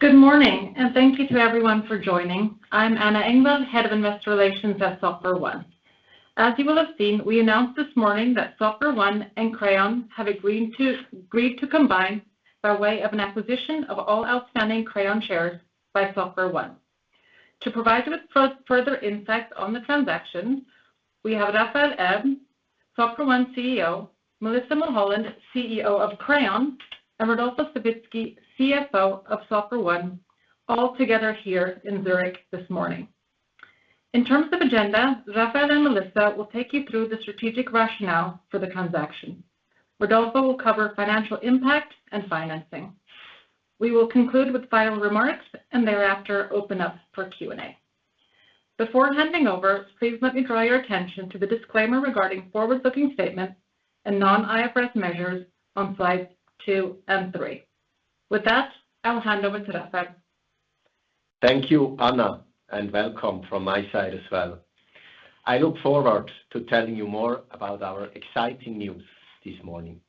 Good morning, and thank you to everyone for joining. I'm Anna Engvall, Head of Investor Relations at SoftwareOne. As you will have seen, we announced this morning that SoftwareOne and Crayon have agreed to combine by way of an acquisition of all outstanding Crayon shares by SoftwareOne. To provide you with further insights on the transaction, we have Raphael Erb, SoftwareOne CEO, Melissa Mulholland, CEO of Crayon, and Rodolfo Savitzky, CFO of SoftwareOne, all together here in Zurich this morning. In terms of agenda, Raphael and Melissa will take you through the strategic rationale for the transaction. Rodolfo will cover financial impact and financing. We will conclude with final remarks and thereafter open up for Q&A. Before handing over, please let me draw your attention to the disclaimer regarding forward-looking statements and non-IFRS measures on slides two and three. With that, I'll hand over to Raphael. Thank you, Anna, and welcome from my side as well. I look forward to telling you more about our exciting news this morning.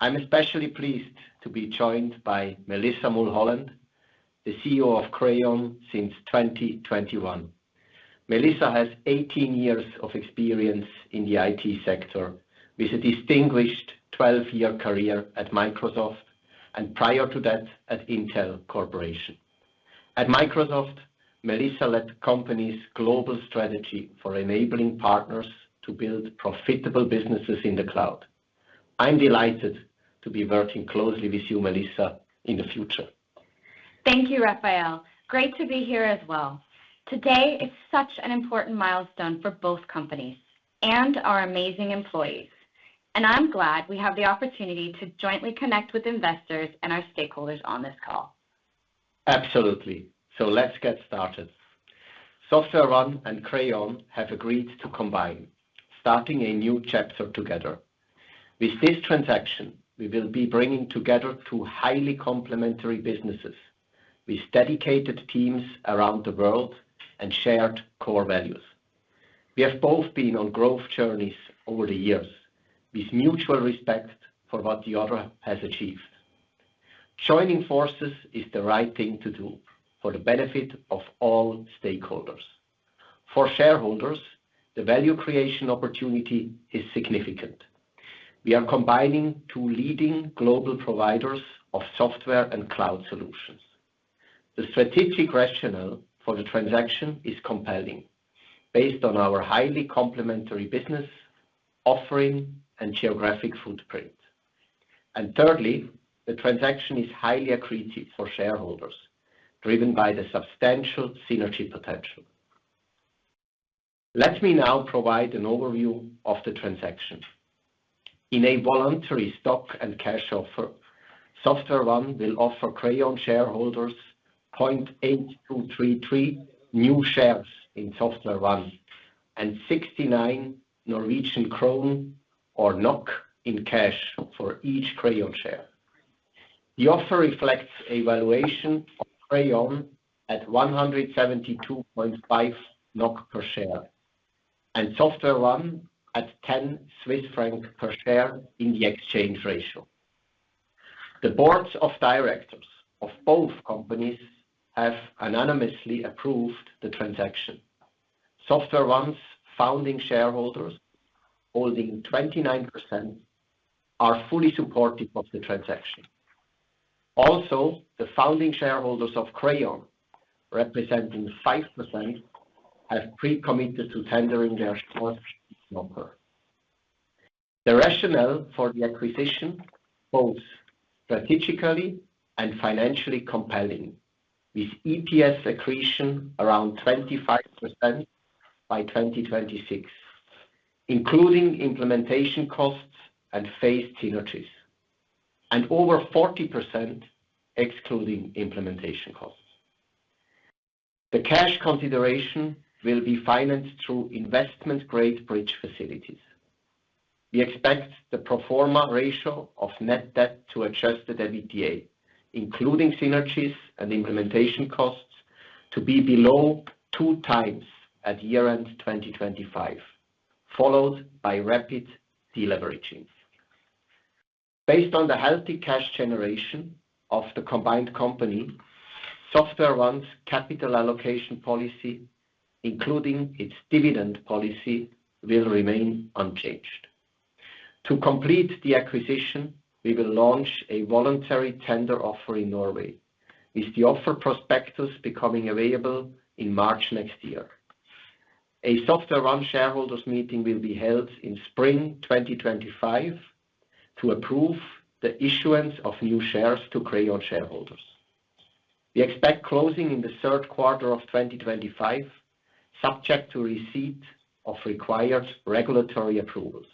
I'm especially pleased to be joined by Melissa Mulholland, the CEO of Crayon since 2021. Melissa has 18 years of experience in the IT sector with a distinguished 12-year career at Microsoft and prior to that at Intel Corporation. At Microsoft, Melissa led the company's global strategy for enabling partners to build profitable businesses in the cloud. I'm delighted to be working closely with you, Melissa, in the future. Thank you, Raphael. Great to be here as well. Today is such an important milestone for both companies and our amazing employees, and I'm glad we have the opportunity to jointly connect with investors and our stakeholders on this call. Absolutely. So let's get started. SoftwareOne and Crayon have agreed to combine, starting a new chapter together. With this transaction, we will be bringing together two highly complementary businesses with dedicated teams around the world and shared core values. We have both been on growth journeys over the years with mutual respect for what the other has achieved. Joining forces is the right thing to do for the benefit of all stakeholders. For shareholders, the value creation opportunity is significant. We are combining two leading global providers of software and cloud solutions. The strategic rationale for the transaction is compelling based on our highly complementary business offering and geographic footprint, and thirdly, the transaction is highly accretive for shareholders, driven by the substantial synergy potential. Let me now provide an overview of the transaction. In a voluntary stock and cash offer, SoftwareOne will offer Crayon shareholders 0.8233 new shares in SoftwareOne and 69 Norwegian krone in cash for each Crayon share. The offer reflects a valuation of Crayon at 172.5 NOK per share and SoftwareOne at 10 Swiss francs per share in the exchange ratio. The boards of directors of both companies have unanimously approved the transaction. SoftwareOne's founding shareholders, holding 29%, are fully supportive of the transaction. Also, the founding shareholders of Crayon, representing 5%, have pre-committed to tendering their shares in the offer. The rationale for the acquisition holds strategically and financially compelling, with EPS accretion around 25% by 2026, including implementation costs and phased synergies, and over 40% excluding implementation costs. The cash consideration will be financed through investment-grade bridge facilities. We expect the pro forma ratio of net debt to adjusted EBITDA, including synergies and implementation costs, to be below two times at year-end 2025, followed by rapid deleveraging. Based on the healthy cash generation of the combined company, SoftwareOne's capital allocation policy, including its dividend policy, will remain unchanged. To complete the acquisition, we will launch a voluntary tender offer in Norway, with the offer prospectus becoming available in March next year. A SoftwareOne shareholders' meeting will be held in spring 2025 to approve the issuance of new shares to Crayon shareholders. We expect closing in the third quarter of 2025, subject to receipt of required regulatory approvals.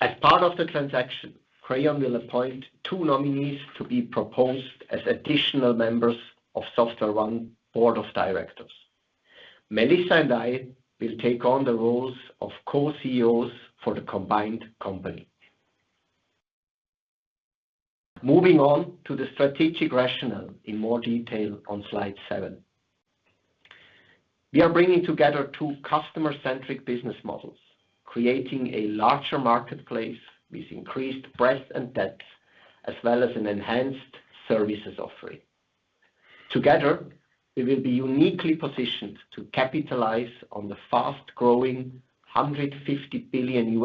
As part of the transaction, Crayon will appoint two nominees to be proposed as additional members of SoftwareOne's board of directors. Melissa and I will take on the roles of co-CEOs for the combined company. Moving on to the strategic rationale in more detail on slide seven. We are bringing together two customer-centric business models, creating a larger marketplace with increased breadth and depth, as well as an enhanced services offering. Together, we will be uniquely positioned to capitalize on the fast-growing $150 billion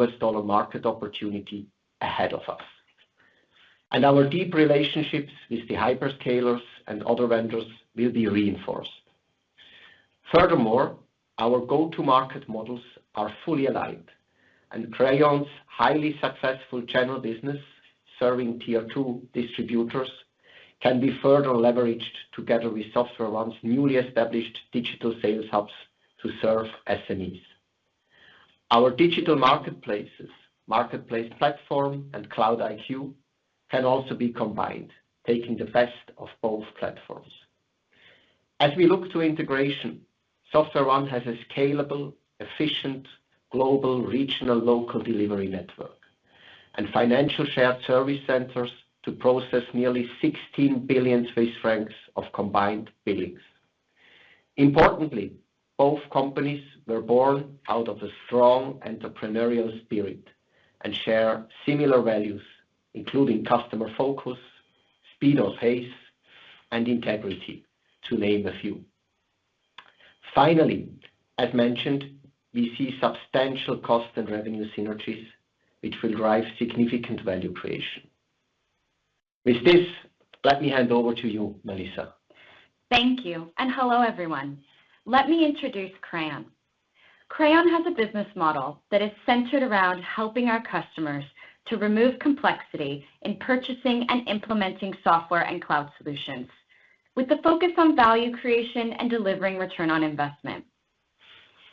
market opportunity ahead of us, and our deep relationships with the hyperscalers and other vendors will be reinforced. Furthermore, our go-to-market models are fully aligned, and Crayon's highly successful channel business, serving tier two distributors, can be further leveraged together with SoftwareOne's newly established digital sales hubs to serve SMEs. Our digital marketplaces, Marketplace Platform and Cloud-iQ, can also be combined, taking the best of both platforms. As we look to integration, SoftwareOne has a scalable, efficient global, regional, local delivery network and financial shared service centers to process nearly 16 billion Swiss francs of combined billings. Importantly, both companies were born out of a strong entrepreneurial spirit and share similar values, including customer focus, speed or pace, and integrity, to name a few. Finally, as mentioned, we see substantial cost and revenue synergies, which will drive significant value creation. With this, let me hand over to you, Melissa. Thank you, and hello, everyone. Let me introduce Crayon. Crayon has a business model that is centered around helping our customers to remove complexity in purchasing and implementing software and cloud solutions, with a focus on value creation and delivering return on investment.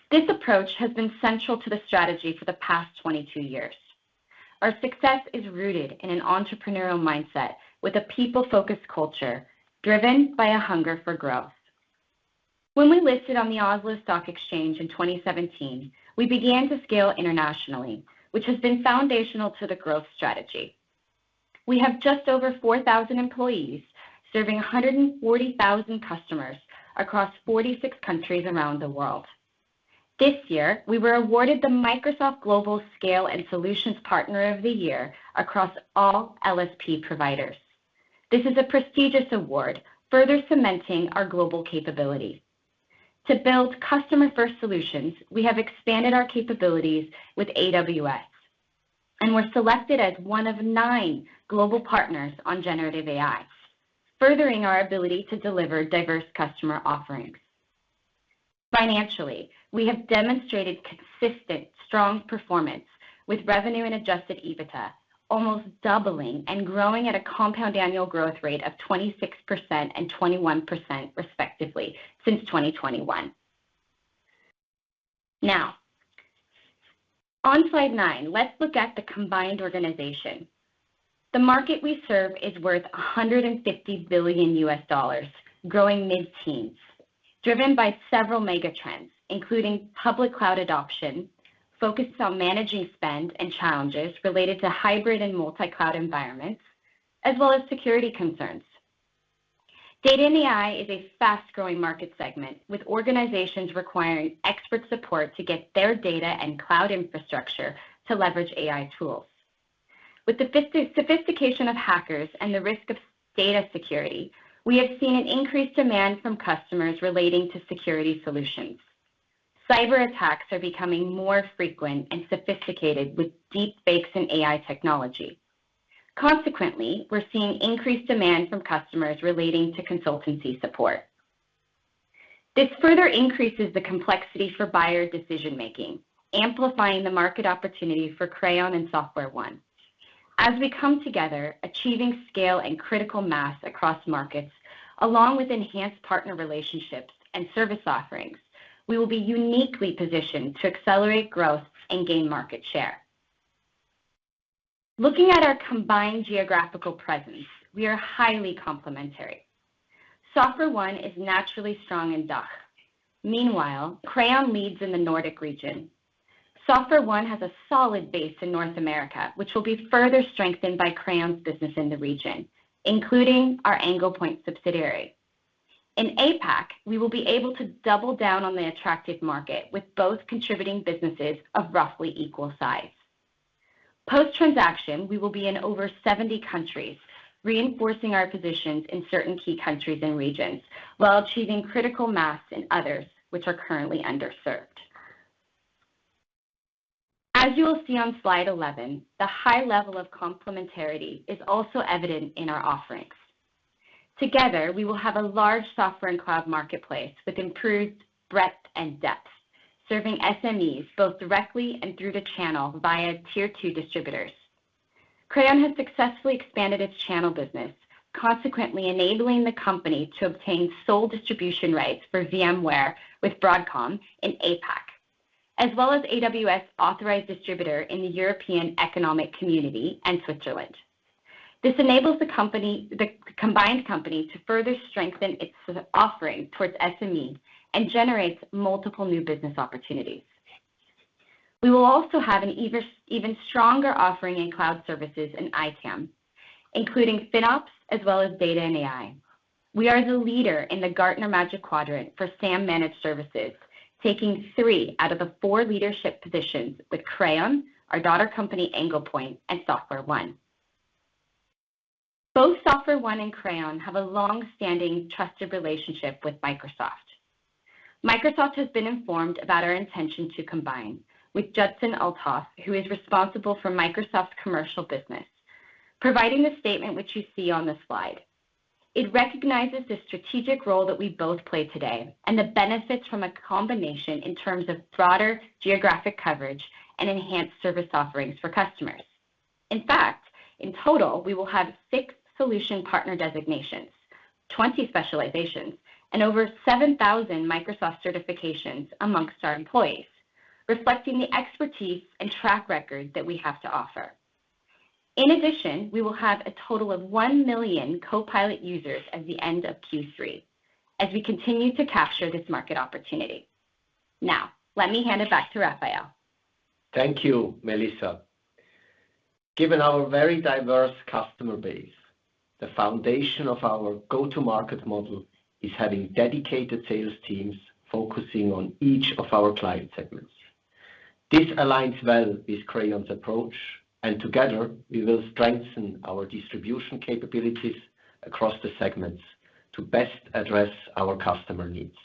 This approach has been central to the strategy for the past 22 years. Our success is rooted in an entrepreneurial mindset with a people-focused culture driven by a hunger for growth. When we listed on the Oslo Stock Exchange in 2017, we began to scale internationally, which has been foundational to the growth strategy. We have just over 4,000 employees serving 140,000 customers across 46 countries around the world. This year, we were awarded the Microsoft Global Scale and Solutions Partner of the Year across all LSP providers. This is a prestigious award, further cementing our global capabilities. To build customer-first solutions, we have expanded our capabilities with AWS, and we're selected as one of nine global partners on generative AI, furthering our ability to deliver diverse customer offerings. Financially, we have demonstrated consistent, strong performance with revenue and adjusted EBITDA, almost doubling and growing at a compound annual growth rate of 26% and 21%, respectively, since 2021. Now, on slide nine, let's look at the combined organization. The market we serve is worth $150 billion, growing mid-teens, driven by several mega trends, including public cloud adoption focused on managing spend and challenges related to hybrid and multi-cloud environments, as well as security concerns. Data and AI is a fast-growing market segment, with organizations requiring expert support to get their data and cloud infrastructure to leverage AI tools. With the sophistication of hackers and the risk of data security, we have seen an increased demand from customers relating to security solutions. Cyberattacks are becoming more frequent and sophisticated, with deepfakes and AI technology. Consequently, we're seeing increased demand from customers relating to consultancy support. This further increases the complexity for buyer decision-making, amplifying the market opportunity for Crayon and SoftwareOne. As we come together, achieving scale and critical mass across markets, along with enhanced partner relationships and service offerings, we will be uniquely positioned to accelerate growth and gain market share. Looking at our combined geographical presence, we are highly complementary. SoftwareOne is naturally strong in DACH. Meanwhile, Crayon leads in the Nordic region. SoftwareOne has a solid base in North America, which will be further strengthened by Crayon's business in the region, including our Anglepoint subsidiary. In APAC, we will be able to double down on the attractive market with both contributing businesses of roughly equal size. Post-transaction, we will be in over 70 countries, reinforcing our positions in certain key countries and regions while achieving critical mass in others, which are currently underserved. As you will see on slide 11, the high level of complementarity is also evident in our offerings. Together, we will have a large software and cloud marketplace with improved breadth and depth, serving SMEs both directly and through the channel via tier two distributors. Crayon has successfully expanded its channel business, consequently enabling the company to obtain sole distribution rights for VMware with Broadcom in APAC, as well as AWS authorized distributor in the European Economic Community and Switzerland. This enables the combined company to further strengthen its offering towards SME and generates multiple new business opportunities. We will also have an even stronger offering in cloud services and ITAM, including FinOps, as well as data and AI. We are the leader in the Gartner Magic Quadrant for SAM-managed services, taking three out of the four leadership positions with Crayon, our daughter company Anglepoint, and SoftwareOne. Both SoftwareOne and Crayon have a long-standing trusted relationship with Microsoft. Microsoft has been informed about our intention to combine with Judson Althoff, who is responsible for Microsoft's commercial business, providing the statement which you see on the slide. It recognizes the strategic role that we both play today and the benefits from a combination in terms of broader geographic coverage and enhanced service offerings for customers. In fact, in total, we will have six solution partner designations, 20 specializations, and over 7,000 Microsoft certifications amongst our employees, reflecting the expertise and track record that we have to offer. In addition, we will have a total of 1 million Copilot users at the end of Q3 as we continue to capture this market opportunity. Now, let me hand it back to Raphael. Thank you, Melissa. Given our very diverse customer base, the foundation of our go-to-market model is having dedicated sales teams focusing on each of our client segments. This aligns well with Crayon's approach, and together, we will strengthen our distribution capabilities across the segments to best address our customer needs.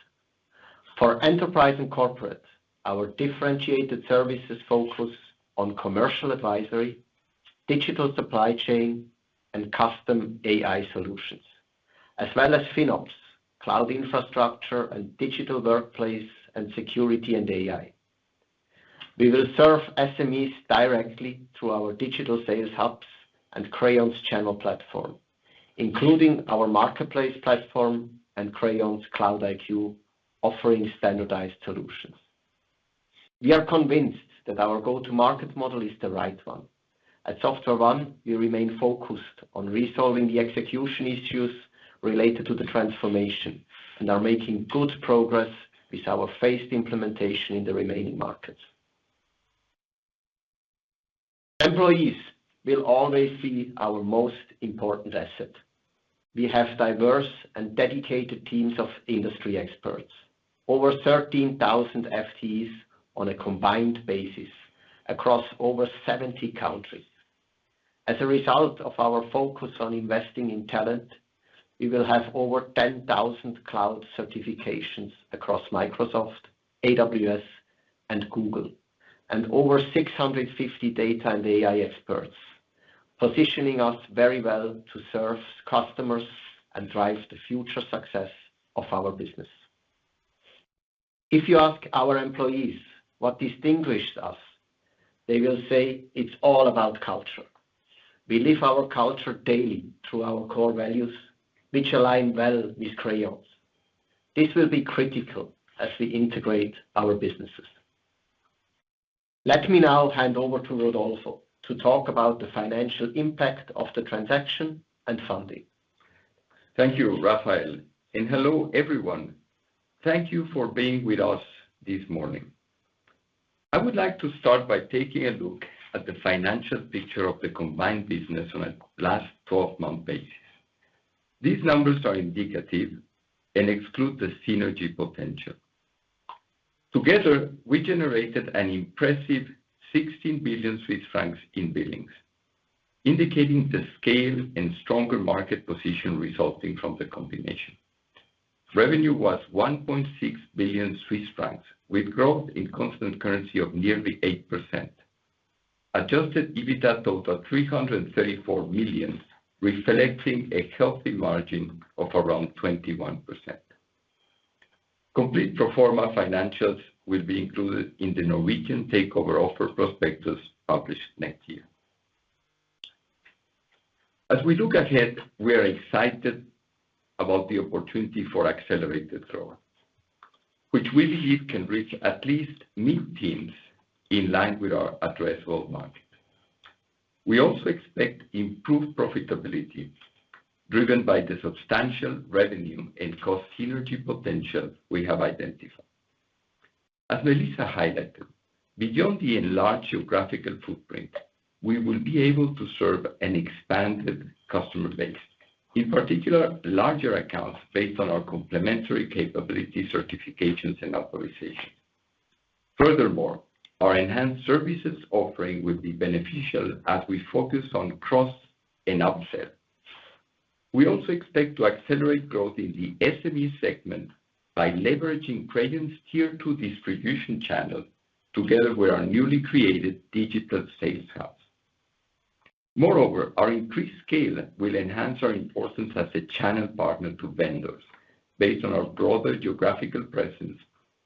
For enterprise and corporate, our differentiated services focus on commercial advisory, digital supply chain, and custom AI solutions, as well as FinOps, cloud infrastructure, and digital workplace and security and AI. We will serve SMEs directly through our digital sales hubs and Crayon's channel platform, including our Marketplace Platform and Crayon's Cloud-iQ offering standardized solutions. We are convinced that our go-to-market model is the right one. At SoftwareOne, we remain focused on resolving the execution issues related to the transformation and are making good progress with our phased implementation in the remaining markets. Employees will always be our most important asset. We have diverse and dedicated teams of industry experts, over 13,000 FTEs on a combined basis across over 70 countries. As a result of our focus on investing in talent, we will have over 10,000 cloud certifications across Microsoft, AWS, and Google, and over 650 data and AI experts, positioning us very well to serve customers and drive the future success of our business. If you ask our employees what distinguishes us, they will say it's all about culture. We live our culture daily through our core values, which align well with Crayon's. This will be critical as we integrate our businesses. Let me now hand over to Rodolfo to talk about the financial impact of the transaction and funding. Thank you, Raphael. And hello, everyone. Thank you for being with us this morning. I would like to start by taking a look at the financial picture of the combined business on a last 12-month basis. These numbers are indicative and exclude the synergy potential. Together, we generated an impressive 16 billion Swiss francs in billings, indicating the scale and stronger market position resulting from the combination. Revenue was 1.6 billion Swiss francs, with growth in constant currency of nearly 8%. Adjusted EBITDA total 334 million, reflecting a healthy margin of around 21%. Complete proforma financials will be included in the Norwegian takeover offer prospectus published next year. As we look ahead, we are excited about the opportunity for accelerated growth, which we believe can reach at least mid-teens in line with our addressable market. We also expect improved profitability driven by the substantial revenue and cost synergy potential we have identified. As Melissa highlighted, beyond the enlarged geographical footprint, we will be able to serve an expanded customer base, in particular larger accounts based on our complementary capability certifications and authorizations. Furthermore, our enhanced services offering will be beneficial as we focus on cross and upsell. We also expect to accelerate growth in the SME segment by leveraging Crayon's tier two distribution channel together with our newly created digital sales hubs. Moreover, our increased scale will enhance our importance as a channel partner to vendors based on our broader geographical presence,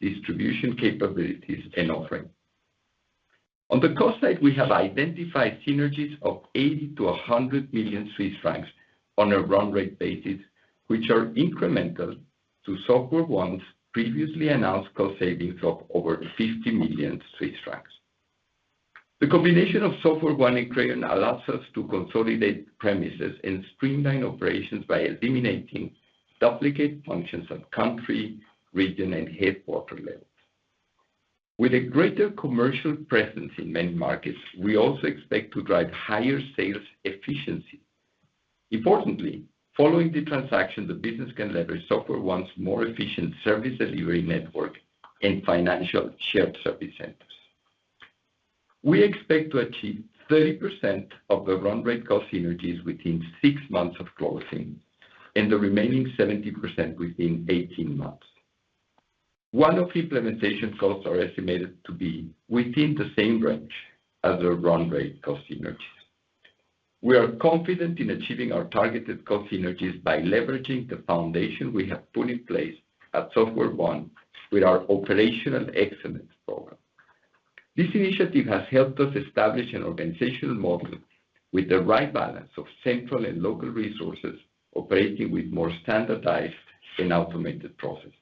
distribution capabilities, and offering. On the cost side, we have identified synergies of 80-100 million Swiss francs on a run rate basis, which are incremental to SoftwareOne's previously announced cost savings of over 50 million Swiss francs. The combination of SoftwareOne and Crayon allows us to consolidate premises and streamline operations by eliminating duplicate functions at country, region, and headquarters levels. With a greater commercial presence in many markets, we also expect to drive higher sales efficiency. Importantly, following the transaction, the business can leverage SoftwareOne's more efficient service delivery network and financial shared service centers. We expect to achieve 30% of the run rate cost synergies within six months of closing and the remaining 70% within 18 months. One-off implementation costs are estimated to be within the same range as the run rate cost synergies. We are confident in achieving our targeted cost synergies by leveraging the foundation we have put in place at SoftwareOne with our operational excellence program. This initiative has helped us establish an organizational model with the right balance of central and local resources operating with more standardized and automated processes.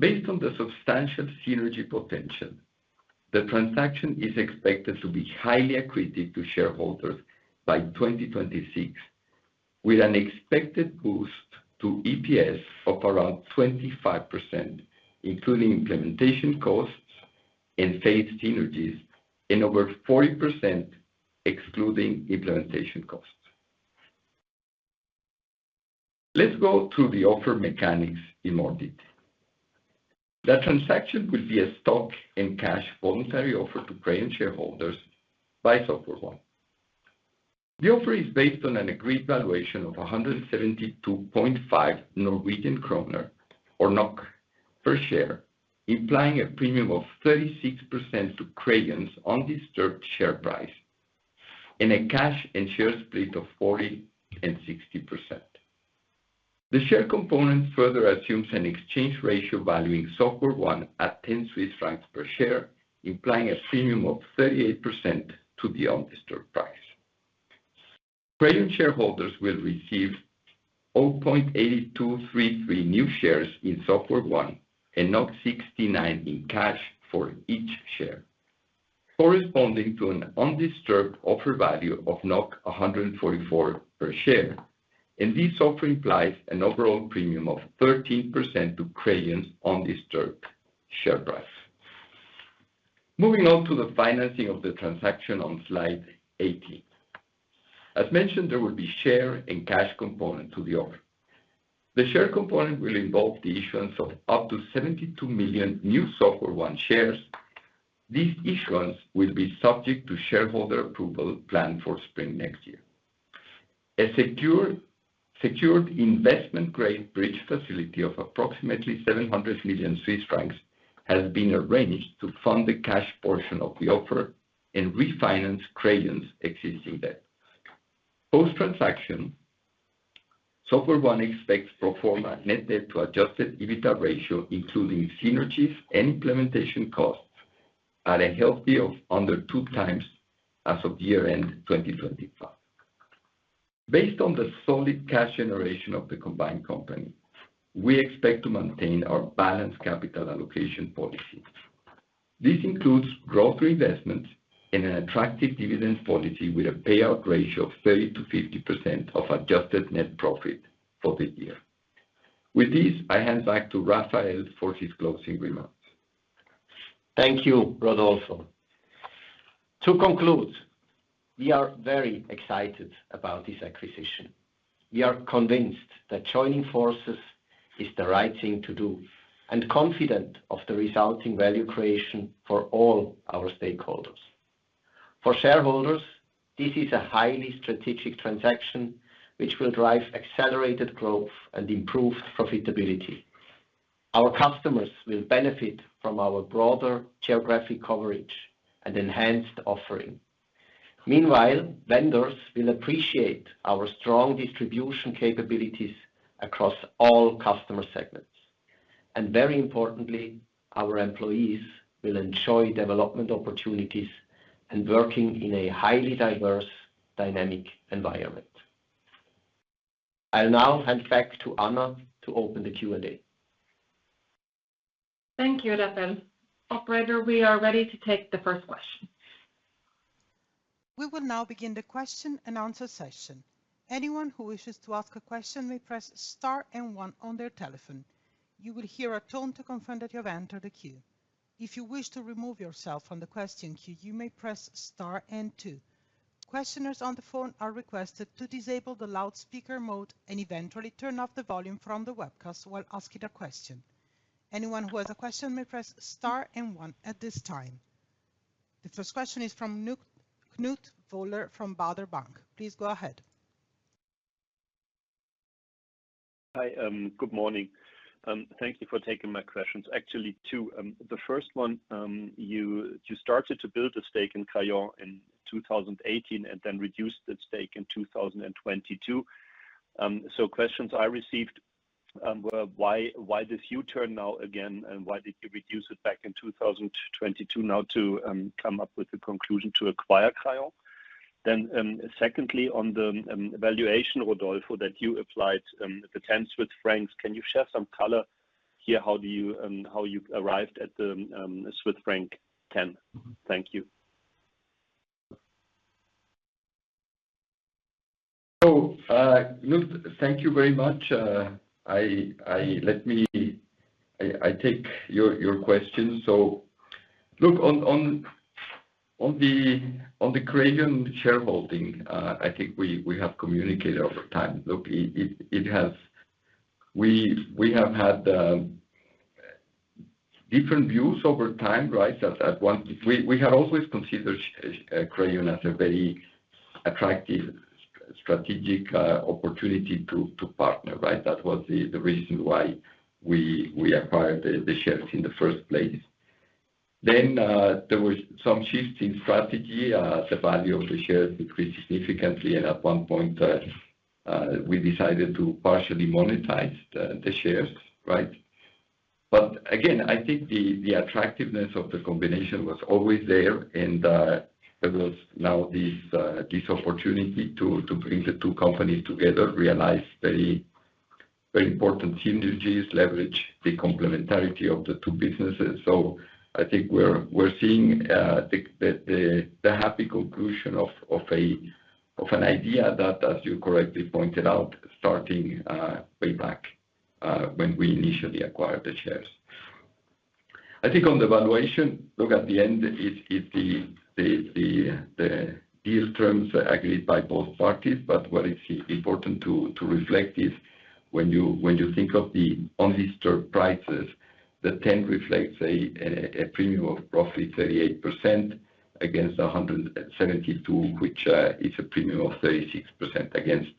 Based on the substantial synergy potential, the transaction is expected to be highly accretive to shareholders by 2026, with an expected boost to EPS of around 25%, including implementation costs and phased synergies, and over 40% excluding implementation costs. Let's go through the offer mechanics in more detail. The transaction will be a stock and cash voluntary offer to Crayon shareholders by SoftwareOne. The offer is based on an agreed valuation of 172.5 Norwegian kroner per share, implying a premium of 36% to Crayon's undisturbed share price and a cash and share split of 40% and 60%. The share component further assumes an exchange ratio valuing SoftwareOne at 10 Swiss francs per share, implying a premium of 38% to the undisturbed price. Crayon shareholders will receive 0.8233 new shares in SoftwareOne and 69 in cash for each share, corresponding to an undisturbed offer value of 144 per share, and this offer implies an overall premium of 13% to Crayon's undisturbed share price. Moving on to the financing of the transaction on slide 18. As mentioned, there will be a share and cash component to the offer. The share component will involve the issuance of up to 72 million new SoftwareOne shares. These issuances will be subject to shareholder approval planned for spring next year. A secured investment-grade bridge facility of approximately 700 million Swiss francs has been arranged to fund the cash portion of the offer and refinance Crayon's existing debt. Post-transaction, SoftwareOne expects pro forma net debt to adjusted EBITDA ratio, including synergies and implementation costs, at a healthy level of under two times as of year-end 2025. Based on the solid cash generation of the combined company, we expect to maintain our balanced capital allocation policy. This includes growth reinvestments and an attractive dividend policy with a payout ratio of 30%-50% of adjusted net profit for the year. With this, I hand back to Raphael for his closing remarks. Thank you, Rodolfo. To conclude, we are very excited about this acquisition. We are convinced that joining forces is the right thing to do and confident of the resulting value creation for all our stakeholders. For shareholders, this is a highly strategic transaction, which will drive accelerated growth and improved profitability. Our customers will benefit from our broader geographic coverage and enhanced offering. Meanwhile, vendors will appreciate our strong distribution capabilities across all customer segments, and very importantly, our employees will enjoy development opportunities and working in a highly diverse, dynamic environment. I'll now hand back to Anna to open the Q&A. Thank you, Raphael. Operator, we are ready to take the first question. We will now begin the question and answer session. Anyone who wishes to ask a question may press Star and 1 on their telephone. You will hear a tone to confirm that you have entered the queue. If you wish to remove yourself from the question queue, you may press Star and 2. Questioners on the phone are requested to disable the loudspeaker mode and eventually turn off the volume from the webcast while asking a question. Anyone who has a question may press Star and 1 at this time. The first question is from Knut Woller from Baader Bank. Please go ahead. Hi, good morning. Thank you for taking my questions. Actually, two. The first one, you started to build a stake in Crayon in 2018 and then reduced that stake in 2022. So questions I received were, why this U-turn now again, and why did you reduce it back in 2022 now to come up with the conclusion to acquire Crayon? Then secondly, on the valuation, Rodolfo, that you applied the CHF 10, can you share some color here? How do you arrived at the Swiss franc 10? Thank you. So Knut, thank you very much. Let me take your question. So look, on the Crayon shareholding, I think we have communicated over time. Look, we have had different views over time, right? We had always considered Crayon as a very attractive strategic opportunity to partner, right? That was the reason why we acquired the shares in the first place. Then there were some shifts in strategy. The value of the shares decreased significantly, and at one point, we decided to partially monetize the shares, right? But again, I think the attractiveness of the combination was always there, and there was now this opportunity to bring the two companies together, realize very important synergies, leverage the complementarity of the two businesses. So I think we're seeing the happy conclusion of an idea that, as you correctly pointed out, starting way back when we initially acquired the shares. I think on the valuation, look, at the end, it's the deal terms agreed by both parties, but what is important to reflect is when you think of the undisturbed prices, the 10 reflects a premium of roughly 38% against 172, which is a premium of 36% against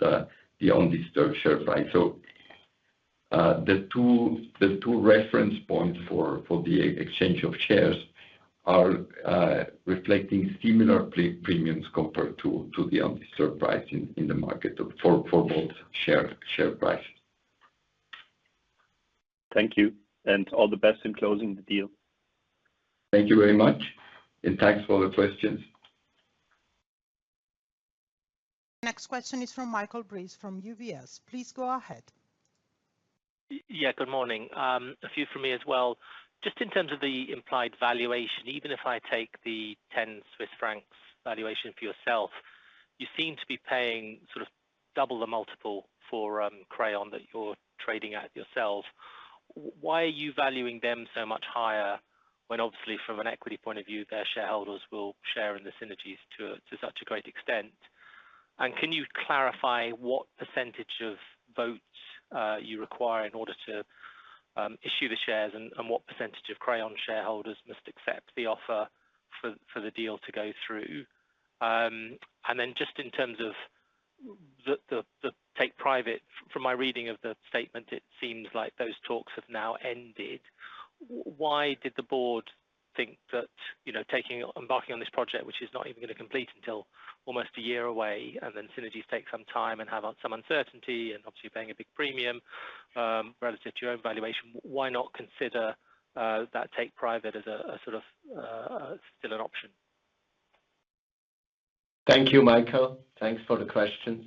the undisturbed share price. So the two reference points for the exchange of shares are reflecting similar premiums compared to the undisturbed price in the market for both share prices. Thank you. And all the best in closing the deal. Thank you very much, and thanks for the questions. Next question is from Michael Briest from UBS. Please go ahead. Yeah, good morning. A few from me as well. Just in terms of the implied valuation, even if I take the 10 Swiss francs valuation for yourself, you seem to be paying sort of double the multiple for Crayon that you're trading at yourself. Why are you valuing them so much higher when, obviously, from an equity point of view, their shareholders will share in the synergies to such a great extent? And can you clarify what percentage of votes you require in order to issue the shares and what percentage of Crayon shareholders must accept the offer for the deal to go through? And then just in terms of the take private, from my reading of the statement, it seems like those talks have now ended. Why did the board think that embarking on this project, which is not even going to complete until almost a year away, and then synergies take some time and have some uncertainty and obviously paying a big premium relative to your own valuation, why not consider that take private as sort of still an option? Thank you, Michael. Thanks for the questions.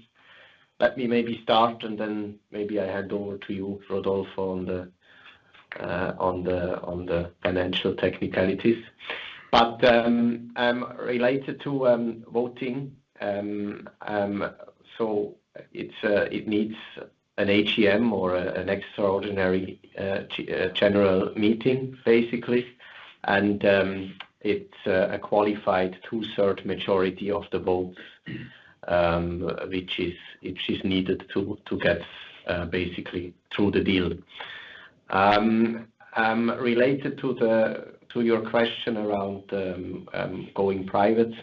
Let me maybe start, and then maybe I hand over to you, Rodolfo, on the financial technicalities, but related to voting, so it needs an AGM or an extraordinary general meeting, basically, and it's a qualified two-thirds majority of the votes, which is needed to get basically through the deal. Related to your question around going private,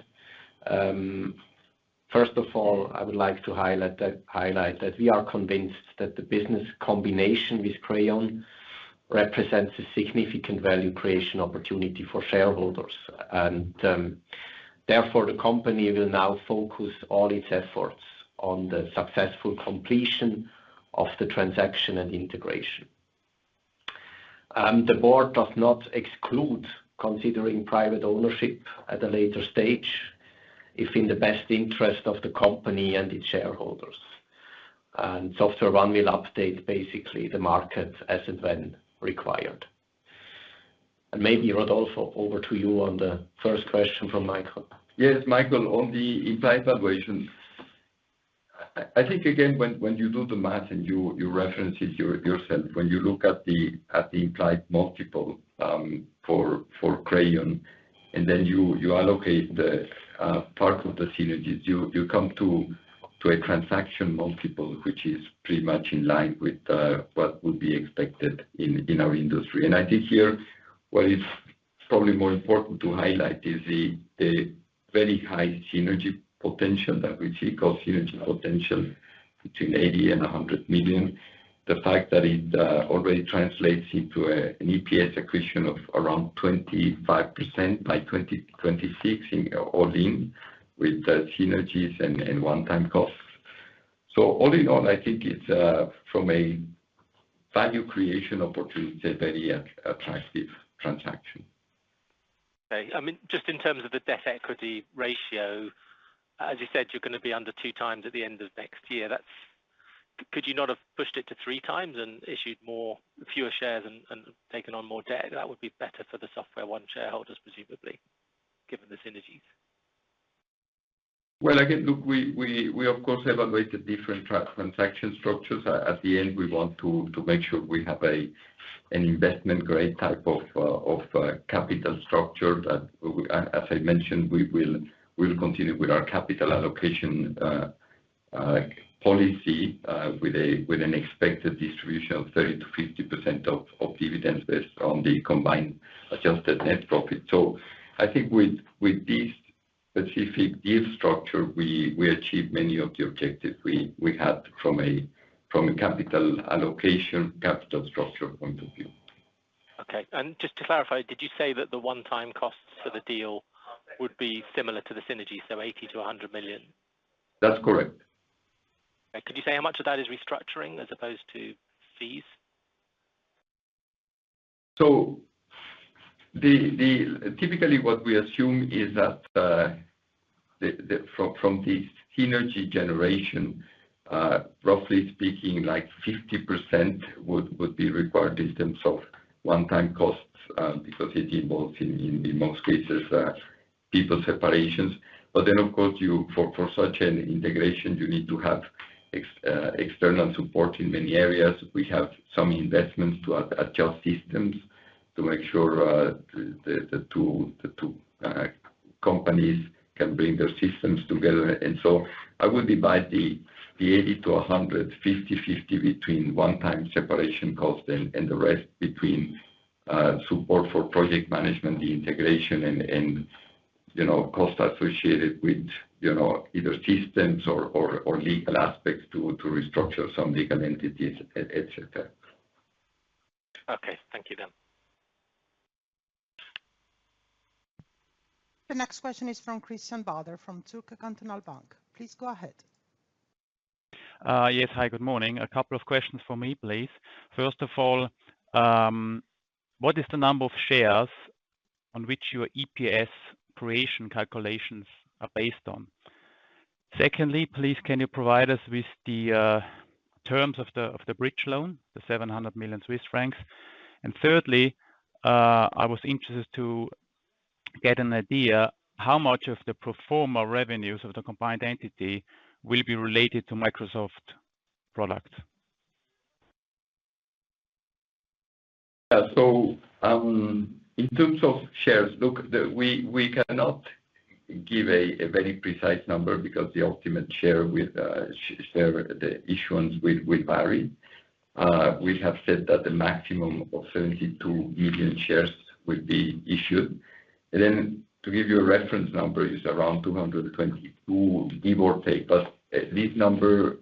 first of all, I would like to highlight that we are convinced that the business combination with Crayon represents a significant value creation opportunity for shareholders, and therefore, the company will now focus all its efforts on the successful completion of the transaction and integration. The board does not exclude considering private ownership at a later stage if in the best interest of the company and its shareholders, and SoftwareOne will update basically the market as and when required. And maybe, Rodolfo, over to you on the first question from Michael. Yes, Michael, on the implied valuation. I think, again, when you do the math and you reference it yourself, when you look at the implied multiple for Crayon and then you allocate part of the synergies, you come to a transaction multiple, which is pretty much in line with what would be expected in our industry. And I think here what is probably more important to highlight is the very high synergy potential that we see, cost synergy potential between 80 and 100 million. The fact that it already translates into an EPS accretion of around 25% by 2026 all in with synergies and one-time costs. So all in all, I think it's from a value creation opportunity, a very attractive transaction. Okay. I mean, just in terms of the debt-equity ratio, as you said, you're going to be under two times at the end of next year. Could you not have pushed it to three times and issued fewer shares and taken on more debt? That would be better for the SoftwareOne shareholders, presumably, given the synergies. Again, look, we of course evaluated different transaction structures. At the end, we want to make sure we have an investment-grade type of capital structure that, as I mentioned, we will continue with our capital allocation policy with an expected distribution of 30%-50% of dividends based on the combined adjusted net profit. I think with this specific deal structure, we achieved many of the objectives we had from a capital allocation capital structure point of view. Okay, and just to clarify, did you say that the one-time costs for the deal would be similar to the synergies, so 80-100 million? That's correct. Okay. Could you say how much of that is restructuring as opposed to fees? So typically, what we assume is that from the synergy generation, roughly speaking, like 50% would be required in terms of one-time costs because it involves, in most cases, people separations. But then, of course, for such an integration, you need to have external support in many areas. We have some investments to adjust systems to make sure the two companies can bring their systems together. And so I would divide the 80-100, 50/50 between one-time separation costs and the rest between support for project management, the integration, and costs associated with either systems or legal aspects to restructure some legal entities, etc. Okay. Thank you then. The next question is from Christian Bader from Zürcher Kantonalbank. Please go ahead. Yes. Hi, good morning. A couple of questions for me, please. First of all, what is the number of shares on which your EPS accretion calculations are based on? Secondly, please, can you provide us with the terms of the bridge loan, the 700 million Swiss francs? And thirdly, I was interested to get an idea how much of the pro forma revenues of the combined entity will be related to Microsoft products? Yeah. So in terms of shares, look, we cannot give a very precise number because the ultimate share issuance will vary. We have said that the maximum of 72 million shares will be issued. And then to give you a reference number, it's around 222, give or take. But this number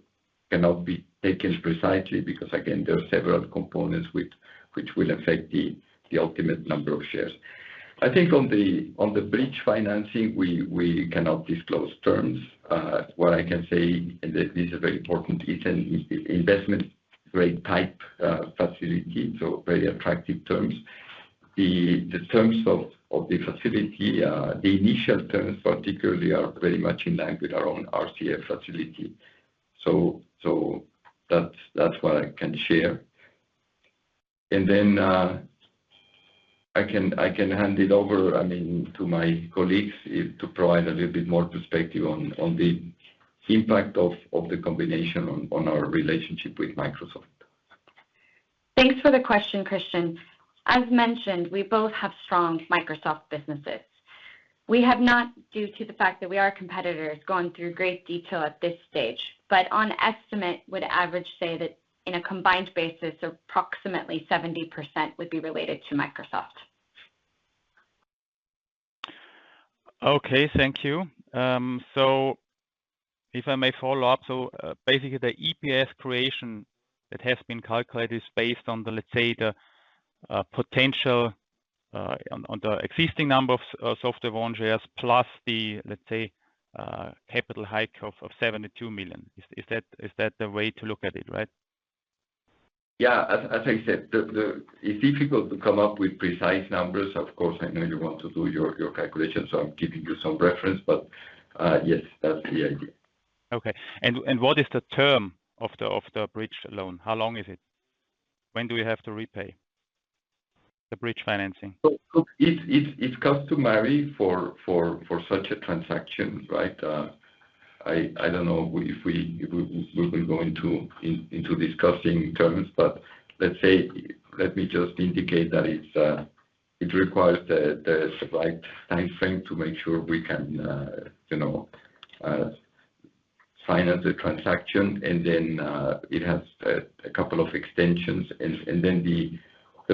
cannot be taken precisely because, again, there are several components which will affect the ultimate number of shares. I think on the bridge financing, we cannot disclose terms. What I can say, and this is a very important piece, and it's an investment-grade type facility, so very attractive terms. The terms of the facility, the initial terms particularly are very much in line with our own RCF facility. So that's what I can share. And then I can hand it over, I mean, to my colleagues to provide a little bit more perspective on the impact of the combination on our relationship with Microsoft. Thanks for the question, Christian. As mentioned, we both have strong Microsoft businesses. We have not, due to the fact that we are competitors, gone through great detail at this stage, but on estimate, would average say that in a combined basis, approximately 70% would be related to Microsoft. Okay. Thank you. So if I may follow up, so basically, the EPS creation that has been calculated is based on the, let's say, the potential on the existing number of SoftwareOne shares plus the, let's say, capital hike of 72 million. Is that the way to look at it, right? Yeah. As I said, it's difficult to come up with precise numbers. Of course, I know you want to do your calculations, so I'm giving you some reference, but yes, that's the idea. Okay. And what is the term of the bridge loan? How long is it? When do we have to repay the bridge financing? Look, it's customary for such a transaction, right? I don't know if we will go into discussing terms, but let's say, let me just indicate that it requires the right timeframe to make sure we can finance the transaction, and then it has a couple of extensions, and then the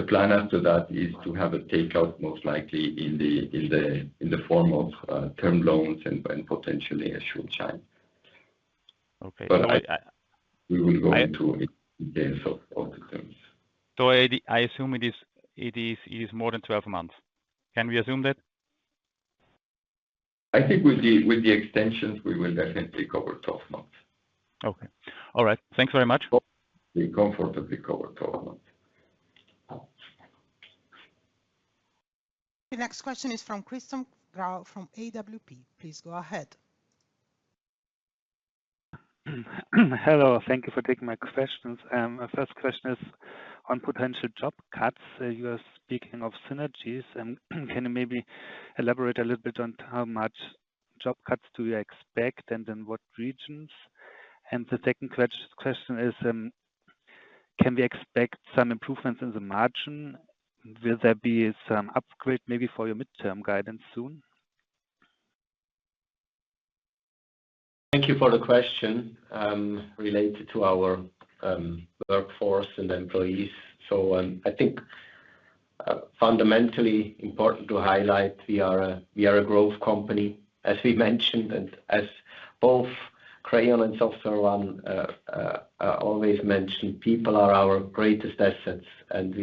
plan after that is to have a takeout, most likely in the form of term loans and potentially a short time. Okay. But we will go into details of the terms. So I assume it is more than 12 months. Can we assume that? I think with the extensions, we will definitely cover 12 months. Okay. All right. Thanks very much. Be comfortably covered 12 months. The next question is from Christian Grau from AWP. Please go ahead. Hello. Thank you for taking my questions. My first question is on potential job cuts. You are speaking of synergies. Can you maybe elaborate a little bit on how much job cuts do you expect and in what regions? And the second question is, can we expect some improvements in the margin? Will there be some upgrade maybe for your midterm guidance soon? Thank you for the question related to our workforce and employees, so I think fundamentally important to highlight, we are a growth company, as we mentioned, and as both Crayon and SoftwareOne always mentioned, people are our greatest assets, and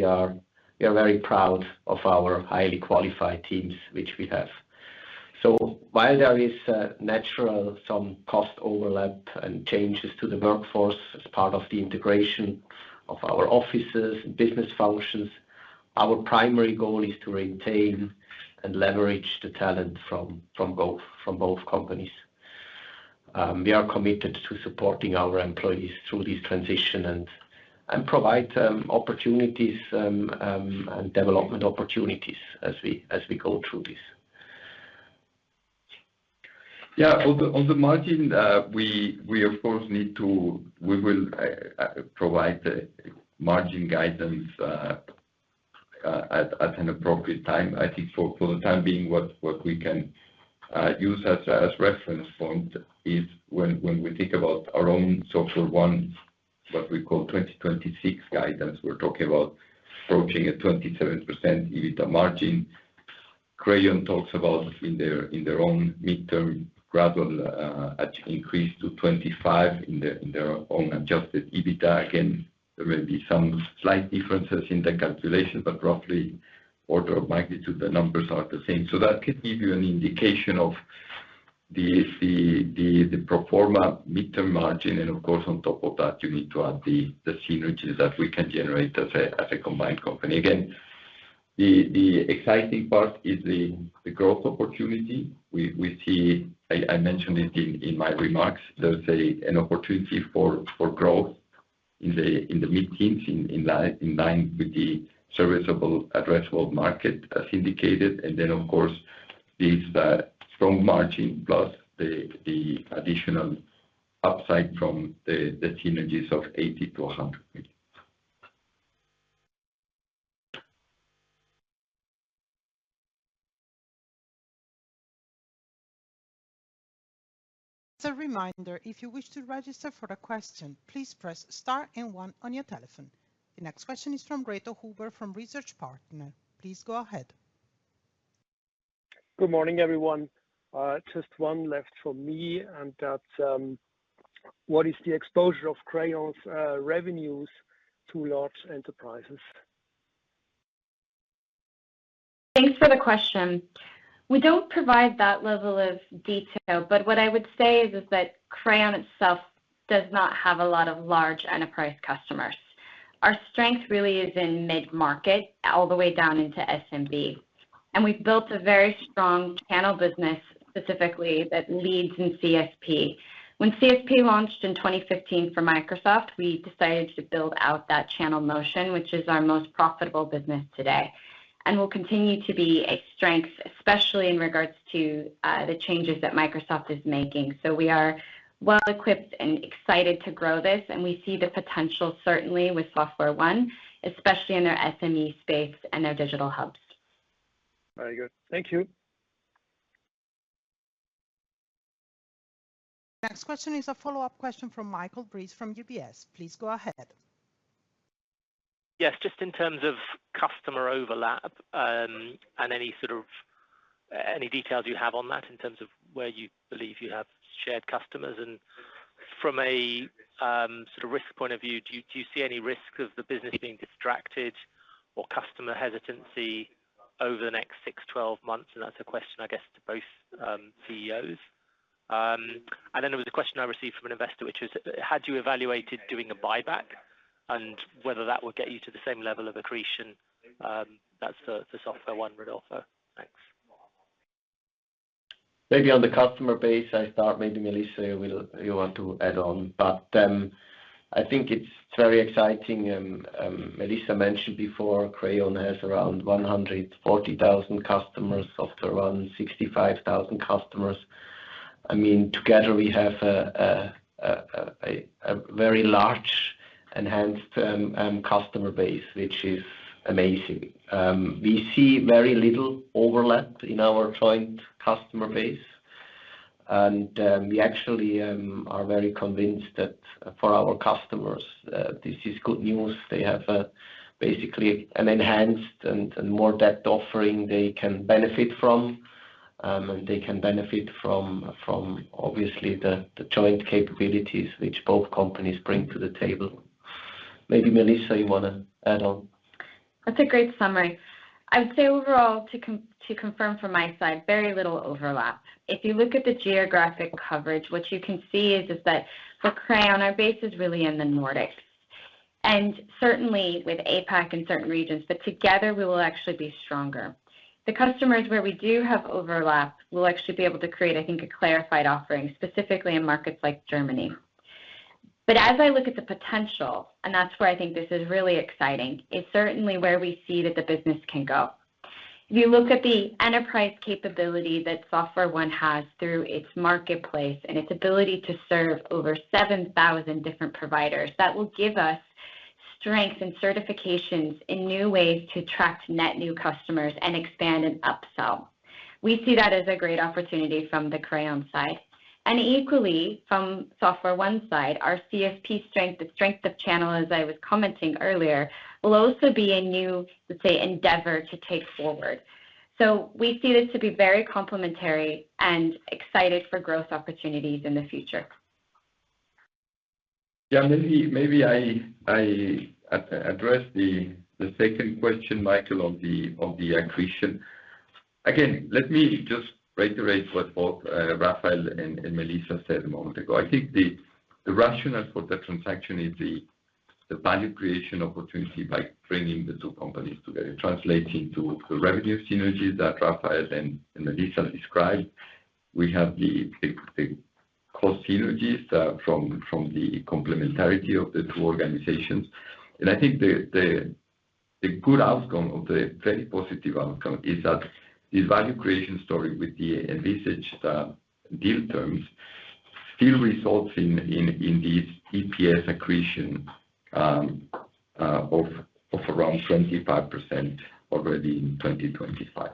we are very proud of our highly qualified teams which we have, so while there is natural some cost overlap and changes to the workforce as part of the integration of our offices and business functions, our primary goal is to retain and leverage the talent from both companies. We are committed to supporting our employees through this transition and provide opportunities and development opportunities as we go through this. Yeah. On the margin, we, of course, need to provide margin guidance at an appropriate time. I think for the time being, what we can use as a reference point is when we think about our own SoftwareOne, what we call 2026 guidance, we're talking about approaching a 27% EBITDA margin. Crayon talks about in their own midterm gradual increase to 25% in their own adjusted EBITDA. Again, there may be some slight differences in the calculation, but roughly order of magnitude, the numbers are the same. So that could give you an indication of the pro forma midterm margin. And of course, on top of that, you need to add the synergies that we can generate as a combined company. Again, the exciting part is the growth opportunity. I mentioned it in my remarks. There's an opportunity for growth in the mid-market in line with the serviceable addressable market as indicated, and then, of course, this strong margin plus the additional upside from the synergies of 80-100 million. As a reminder, if you wish to register for a question, please press star and one on your telephone. The next question is from Reto Huber from Research Partners. Please go ahead. Good morning, everyone. Just one left for me, and that's what is the exposure of Crayon's revenues to large enterprises? Thanks for the question. We don't provide that level of detail, but what I would say is that Crayon itself does not have a lot of large enterprise customers. Our strength really is in mid-market all the way down into SMB, and we've built a very strong channel business specifically that leads in CSP. When CSP launched in 2015 for Microsoft, we decided to build out that channel motion, which is our most profitable business today, and we'll continue to be a strength, especially in regards to the changes that Microsoft is making, so we are well equipped and excited to grow this, and we see the potential certainly with SoftwareOne, especially in their SME space and their digital hubs. Very good. Thank you. The next question is a follow-up question from Michael Briest from UBS. Please go ahead. Yes. Just in terms of customer overlap and any details you have on that in terms of where you believe you have shared customers. And from a sort of risk point of view, do you see any risk of the business being distracted or customer hesitancy over the next six, 12 months? And that's a question, I guess, to both CEOs. And then there was a question I received from an investor, which was, had you evaluated doing a buyback and whether that would get you to the same level of accretion as the SoftwareOne would offer? Thanks. Maybe on the customer base, I thought maybe Melissa will want to add on, but I think it's very exciting. Melissa mentioned before, Crayon has around 140,000 customers, SoftwareOne 65,000 customers. I mean, together, we have a very large enhanced customer base, which is amazing. We see very little overlap in our joint customer base, and we actually are very convinced that for our customers, this is good news. They have basically an enhanced and more depth offering they can benefit from, and they can benefit from, obviously, the joint capabilities which both companies bring to the table. Maybe Melissa, you want to add on? That's a great summary. I would say overall, to confirm from my side, very little overlap. If you look at the geographic coverage, what you can see is that for Crayon, our base is really in the Nordics, and certainly with APAC in certain regions, but together, we will actually be stronger. The customers where we do have overlap will actually be able to create, I think, a clarified offering specifically in markets like Germany. But as I look at the potential, and that's where I think this is really exciting, is certainly where we see that the business can go. If you look at the enterprise capability that SoftwareOne has through its marketplace and its ability to serve over 7,000 different providers, that will give us strength and certifications in new ways to attract net new customers and expand and upsell. We see that as a great opportunity from the Crayon side. And equally, from SoftwareOne side, our CSP strength, the strength of channel, as I was commenting earlier, will also be a new, let's say, endeavor to take forward. So we see this to be very complementary and excited for growth opportunities in the future. Yeah. Maybe I address the second question, Michael, on the accretion. Again, let me just reiterate what both Raphael and Melissa said a moment ago. I think the rationale for the transaction is the value creation opportunity by bringing the two companies together, translating to the revenue synergies that Raphael and Melissa described. We have the cost synergies from the complementarity of the two organizations. And I think the good outcome of the very positive outcome is that the value creation story with the envisaged deal terms still results in this EPS accretion of around 25% already in 2025.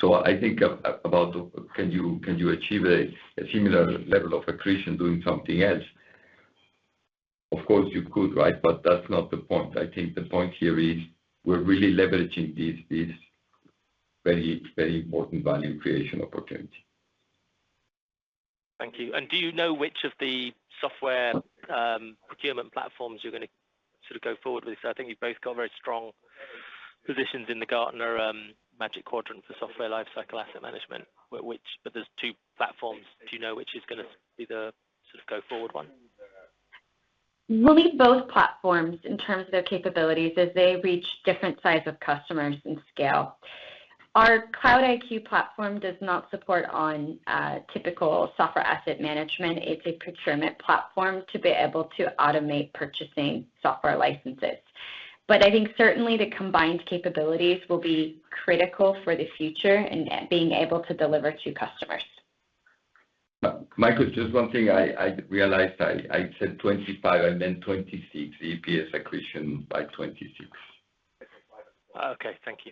So I think about can you achieve a similar level of accretion doing something else? Of course, you could, right? But that's not the point. I think the point here is we're really leveraging this very important value creation opportunity. Thank you. And do you know which of the software procurement platforms you're going to sort of go forward with? So I think you've both got very strong positions in the Gartner Magic Quadrant for Software Lifecycle Asset Management, but there's two platforms. Do you know which is going to be the sort of go forward one? We'll need both platforms in terms of their capabilities as they reach different size of customers and scale. Our Cloud-iQ platform does not support only typical software asset management. It's a procurement platform to be able to automate purchasing software licenses. But I think certainly the combined capabilities will be critical for the future and being able to deliver to customers. Michael, just one thing. I realized I said 25. I meant 26. EPS accretion by 26. Okay. Thank you.